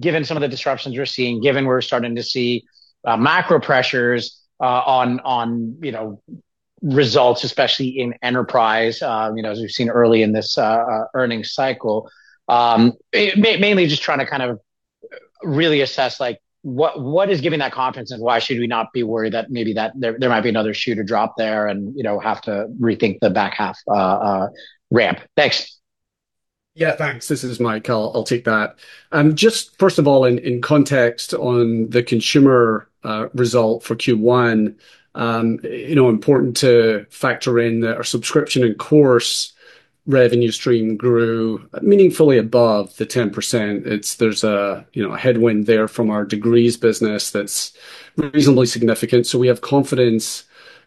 given some of the disruptions you're seeing, given we're starting to see macro pressures on results, especially in enterprise, as we've seen early in this earnings cycle. Mainly just trying to really assess what is giving that confidence and why should we not be worried that maybe there might be another shoe to drop there and have to rethink the back half ramp. Thanks. Yeah, thanks. This is Mike. I'll take that. Just first of all, in context on the consumer result for Q1, important to factor in that our subscription and course revenue stream grew meaningfully above the 10%. There's a headwind there from our degrees business that's reasonably significant. We have confidence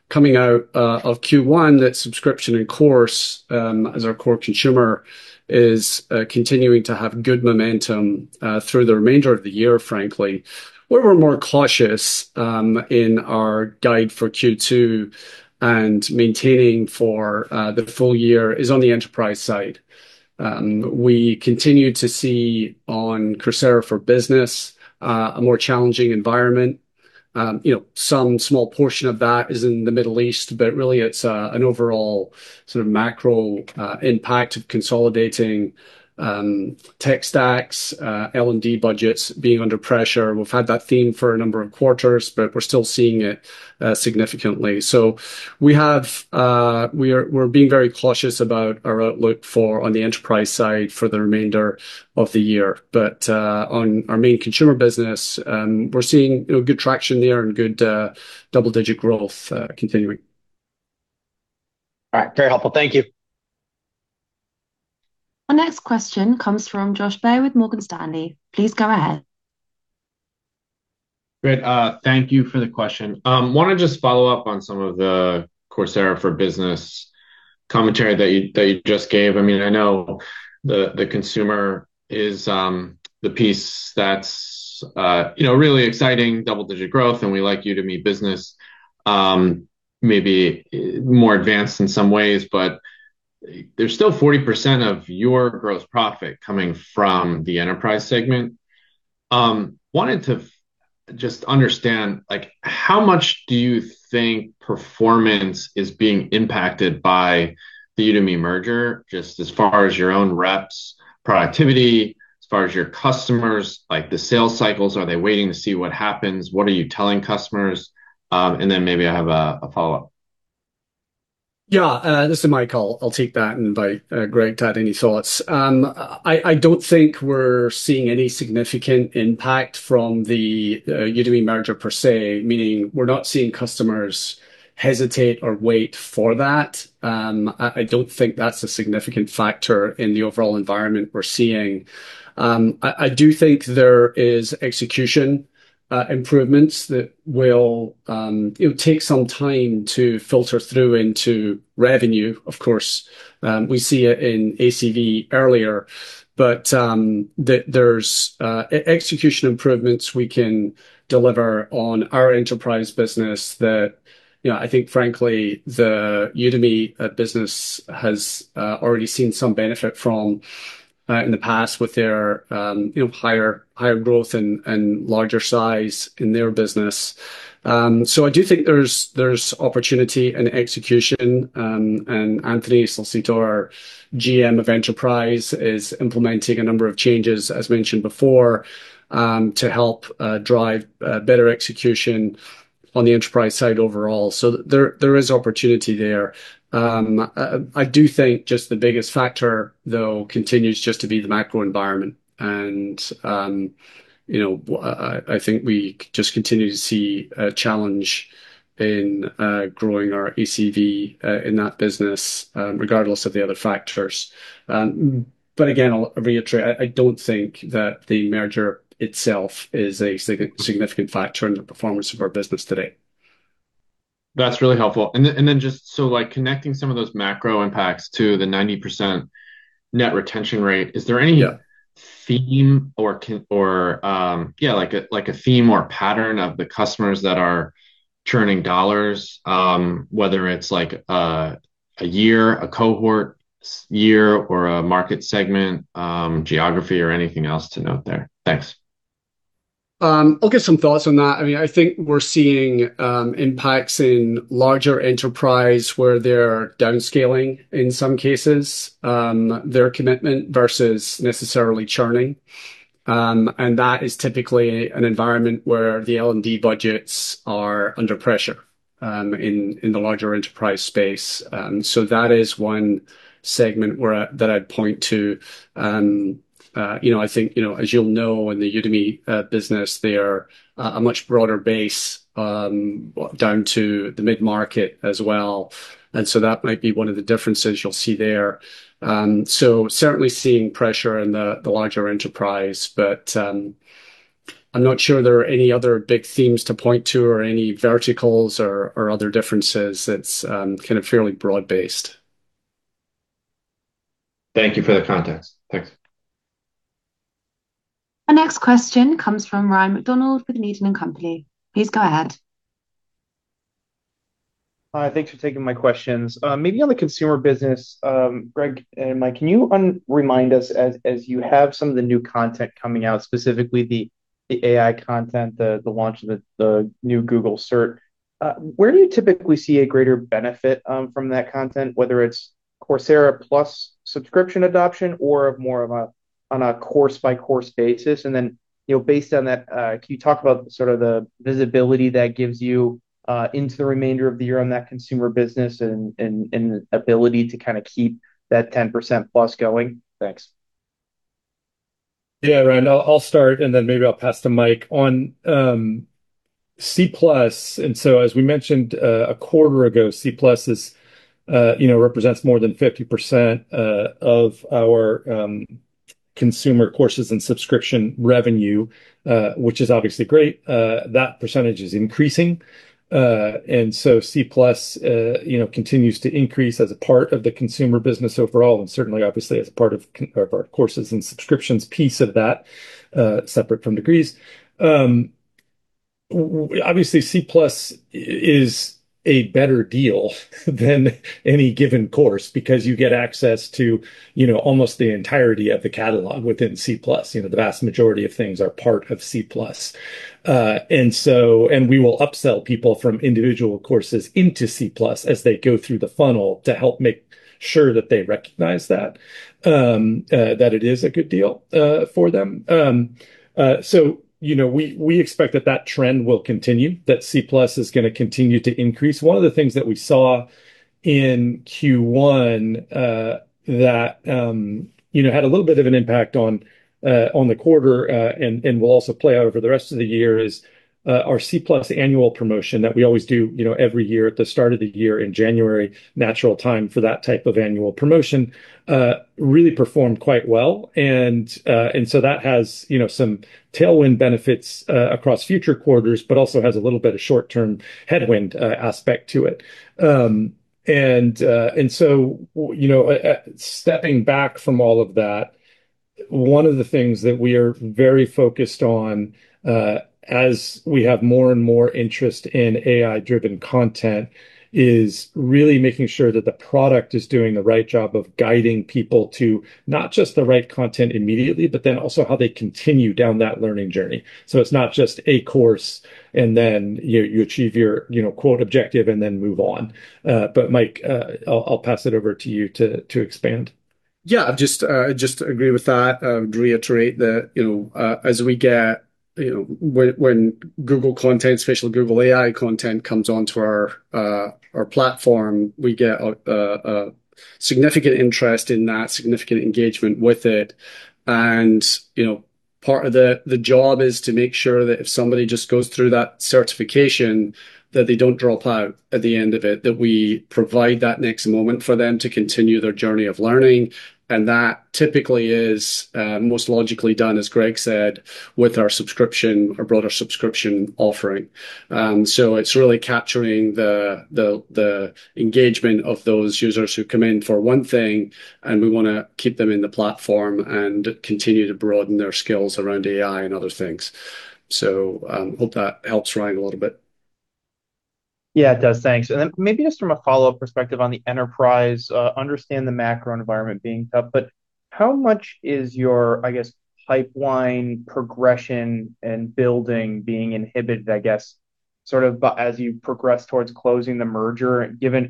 coming out of Q1 that subscription and course, as our core consumer, is continuing to have good momentum through the remainder of the year, frankly. Where we're more cautious in our guide for Q2 and maintaining for the full year is on the enterprise side. We continue to see on Coursera for Business a more challenging environment. Some small portion of that is in the Middle East, but really it's an overall sort of macro impact of consolidating tech stacks, L&D budgets being under pressure. We've had that theme for a number of quarters, but we're still seeing it significantly. We're being very cautious about our outlook on the enterprise side for the remainder of the year. On our main consumer business, we're seeing good traction there and good double-digit growth continuing. All right. Very helpful. Thank you. Our next question comes from Josh Baer with Morgan Stanley. Please go ahead. Great. Thank you for the question. I want to just follow up on some of the Coursera for Business commentary that you just gave. I know the consumer is the piece that's really exciting, double-digit growth, and we like Udemy Business maybe more advanced in some ways, but there's still 40% of your gross profit coming from the enterprise segment. I wanted to just understand how much do you think performance is being impacted by the Udemy merger, just as far as your own reps, productivity, as far as your customers, like the sales cycles, are they waiting to see what happens? What are you telling customers? Then maybe I have a follow-up. Yeah. This is Mike. I'll take that and invite Greg to add any thoughts. I don't think we're seeing any significant impact from the Udemy merger per se, meaning we're not seeing customers hesitate or wait for that. I don't think that's a significant factor in the overall environment we're seeing. I do think there is execution improvements that it'll take some time to filter through into revenue, of course. We see it in ACV earlier, but there's execution improvements we can deliver on our Enterprise business that I think frankly, the Udemy business has already seen some benefit from in the past with their higher growth and larger size in their business. I do think there's opportunity in execution. Anthony Salcito, our GM of Enterprise, is implementing a number of changes, as mentioned before, to help drive better execution on the Enterprise side overall. There is opportunity there. I do think just the biggest factor, though, continues just to be the macro environment. I think we just continue to see a challenge in growing our ACV in that business regardless of the other factors. Again, I'll reiterate, I don't think that the merger itself is a significant factor in the performance of our business today. That's really helpful. Just so like connecting some of those macro impacts to the 90% net retention rate, is there any? Yeah. Is there any theme or pattern of the customers that are churning dollars, whether it's a year, a cohort year, or a market segment, geography or anything else to note there? Thanks. I'll give some thoughts on that. I think we're seeing impacts in larger enterprise where they're downscaling in some cases, their commitment versus necessarily churning. That is typically an environment where the L&D budgets are under pressure, in the larger enterprise space. That is one segment that I'd point to. I think, as you'll know, in the Udemy business, they are a much broader base, down to the mid-market as well. That might be one of the differences you'll see there. Certainly seeing pressure in the larger enterprise, but I'm not sure there are any other big themes to point to or any verticals or other differences. It's kind of fairly broad-based. Thank you for the context. Thanks. Our next question comes from Ryan MacDonald with Needham & Company. Please go ahead. Hi, thanks for taking my questions. Maybe on the consumer business, Greg and Mike, can you remind us as you have some of the new content coming out, specifically the AI content, the launch of the new Google cert, where do you typically see a greater benefit from that content, whether it's Coursera Plus subscription adoption or more on a course-by-course basis? Based on that, can you talk about sort of the visibility that gives you into the remainder of the year on that consumer business and ability to keep that 10%+ going? Thanks. Yeah, Ryan, I'll start and then maybe I'll pass to Mike. On C+, as we mentioned a quarter ago, C+ represents more than 50% of our consumer courses and subscription revenue, which is obviously great. That percentage is increasing. C+ continues to increase as a part of the consumer business overall, and certainly, obviously as part of our courses and subscriptions piece of that, separate from degrees. Obviously, C+ is a better deal than any given course because you get access to almost the entirety of the catalog within C+. The vast majority of things are part of C+. We will upsell people from individual courses into C+ as they go through the funnel to help make sure that they recognize that it is a good deal for them. We expect that that trend will continue, that C+ is going to continue to increase. One of the things that we saw in Q1 that had a little bit of an impact on the quarter, and will also play out over the rest of the year is our C+ annual promotion that we always do every year at the start of the year in January, natural time for that type of annual promotion, really performed quite well. That has some tailwind benefits across future quarters, but also has a little bit of short-term headwind aspect to it. Stepping back from all of that, one of the things that we are very focused on, as we have more and more interest in AI-driven content, is really making sure that the product is doing the right job of guiding people to not just the right content immediately, but then also how they continue down that learning journey. It's not just a course and then you achieve your, quote, objective and then move on. Mike, I'll pass it over to you to expand. Yeah, just agree with that. I would reiterate that when Google content, especially Google AI content, comes onto our platform, we get a significant interest in that, significant engagement with it. Part of the job is to make sure that if somebody just goes through that certification, that they don't drop out at the end of it, that we provide that next moment for them to continue their journey of learning. That typically is most logically done, as Greg said, with our broader subscription offering. It's really capturing the engagement of those users who come in for one thing, and we want to keep them in the platform and continue to broaden their skills around AI and other things. Hope that helps Ryan a little bit. Yeah, it does. Thanks. Then maybe just from a follow-up perspective on the enterprise, understand the macro environment being tough, but how much is your, I guess, pipeline progression and building being inhibited, I guess, sort of as you progress towards closing the merger, given,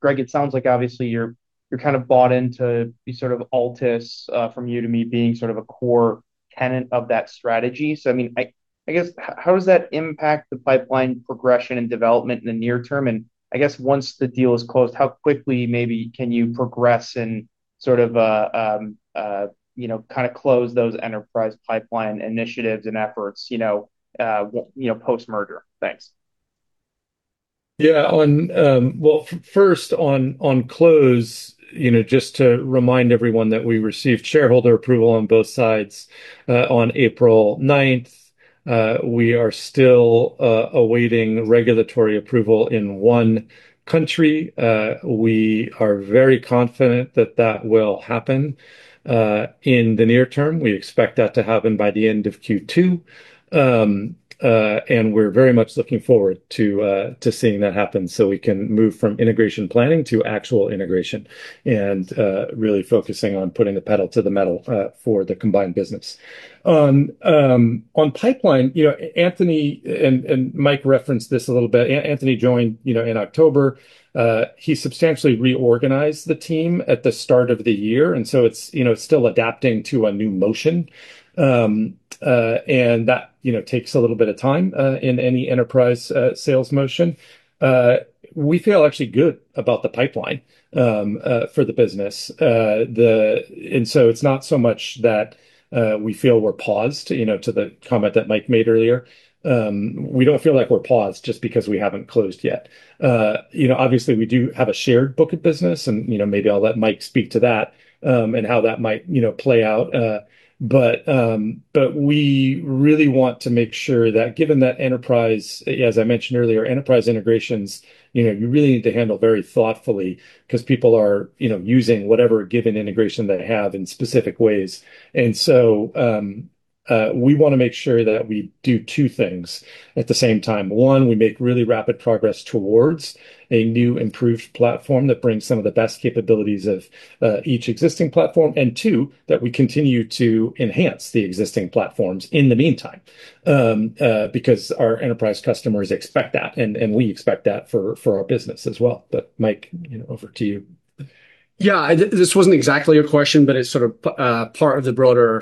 Greg, it sounds like obviously you're kind of bought into the sort of Altus from Udemy being sort of a core tenet of that strategy. I guess, how does that impact the pipeline progression and development in the near term, and I guess once the deal is closed, how quickly maybe can you progress and sort of close those enterprise pipeline initiatives and efforts post-merger? Thanks. Yeah. Well, first on close, just to remind everyone that we received shareholder approval on both sides on April 9th. We are still awaiting regulatory approval in one country. We are very confident that that will happen in the near term. We expect that to happen by the end of Q2. We're very much looking forward to seeing that happen so we can move from integration planning to actual integration and really focusing on putting the pedal to the metal for the combined business. On pipeline, Anthony and Mike referenced this a little bit. Anthony joined in October. He substantially reorganized the team at the start of the year, and so it's still adapting to a new motion. That takes a little bit of time in any enterprise sales motion. We feel actually good about the pipeline for the business. It's not so much that we feel we're paused due to the comment that Mike made earlier. We don't feel like we're paused just because we haven't closed yet. Obviously, we do have a shared book of business and maybe I'll let Mike speak to that, and how that might play out. We really want to make sure that given that Enterprise, as I mentioned earlier, Enterprise integrations you really need to handle very thoughtfully because people are using whatever given integration they have in specific ways. We want to make sure that we do two things at the same time. One, we make really rapid progress towards a new improved platform that brings some of the best capabilities of each existing platform. Two, that we continue to enhance the existing platforms in the meantime, because our enterprise customers expect that, and we expect that for our business as well. Mike, over to you. Yeah. This wasn't exactly a question, but it's sort of part of the broader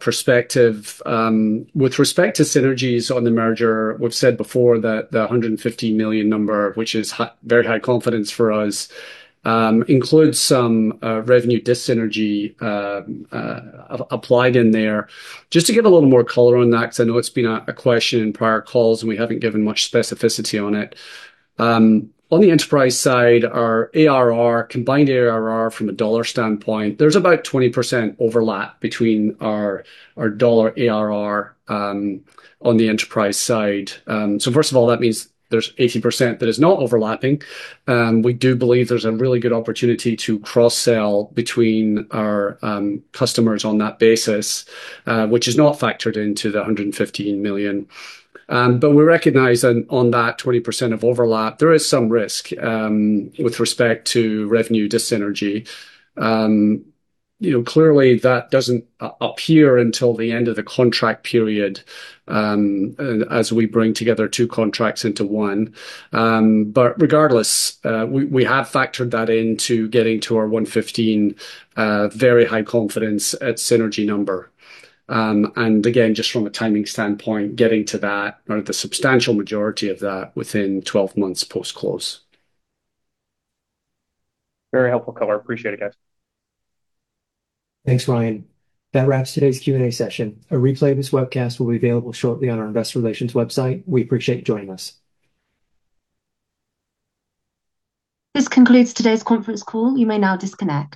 perspective. With respect to synergies on the merger, we've said before that the $150 million number, which is very high confidence for us, includes some revenue dis-synergy applied in there. Just to give a little more color on that, because I know it's been a question in prior calls, and we haven't given much specificity on it. On the enterprise side, our ARR, combined ARR from a dollar standpoint, there's about 20% overlap between our dollar ARR on the enterprise side. So first of all, that means there's 80% that is not overlapping. We do believe there's a really good opportunity to cross-sell between our customers on that basis, which is not factored into the $115 million. But we recognize on that 20% of overlap, there is some risk with respect to revenue dis-synergy. Clearly that doesn't appear until the end of the contract period as we bring together two contracts into one. Regardless, we have factored that into getting to our 115 very high confidence at synergy number. Again, just from a timing standpoint, getting to that or the substantial majority of that within 12 months post-close. Very helpful color. Appreciate it, guys. Thanks, Ryan. That wraps today's Q&A session. A replay of this webcast will be available shortly on our investor relations website. We appreciate you joining us. This concludes today's conference call. You may now disconnect.